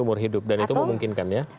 seumur hidup dan itu memungkinkan ya